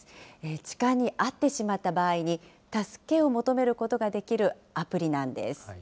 痴漢に遭ってしまった場合に、助けを求めることができるアプリなんです。